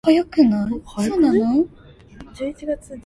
自由發揮啦